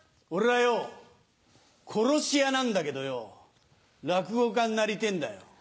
俺はよぉ殺し屋なんだけどよぉ落語家になりてぇんだよ。